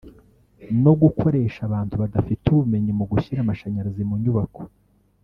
no gukoresha abantu badafite ubumenyi mu gushyira amashanyarazi mu nyubako